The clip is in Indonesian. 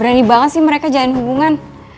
berani banget sih mereka jalanin hubungan